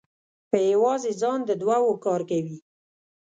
په یوازې ځان د دوو کار کوي.